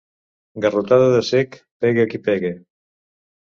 Garrotada de cec, pegue a qui pegue.